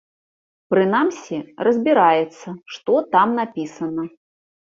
Прынамсі, разбіраецца, што там напісана.